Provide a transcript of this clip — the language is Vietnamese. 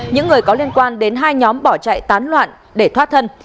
những người có liên quan đến hai nhóm bỏ chạy tán loạn để thoát thân